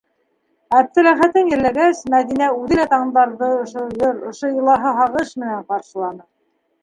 Әптеләхәтен ерләгәс, Мәҙинә үҙе лә тандарҙы ошо йыр, ошо илаһи һағыш менән ҡаршыланы.